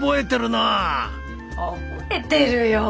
覚えてるよ！